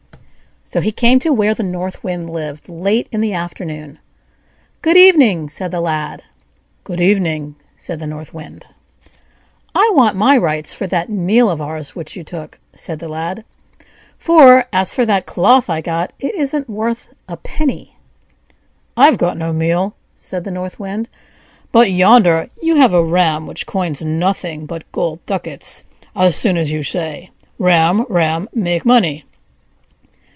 So he came to where the North Wind lived late in the afternoon. "Good evening!" said the Lad. "Good evening!" said the North Wind. "I want my rights for that meal of ours which you took," said the Lad; "for, as for that cloth I got, it isn't worth a penny." "I've got no meal," said the North Wind; "but yonder you have a ram which coins nothing but golden ducats as soon as you say to it: 'Ram, ram! make money!'"